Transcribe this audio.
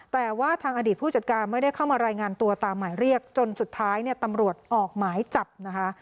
แต่ว่าทางอดีตผู้จัดการไม่ได้เข้ามารายงานตัวตามหมายเรียกจนสุดท้ายเนี่ยตำรวจออกหมายจับนะคะ